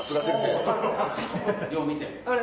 よう見て。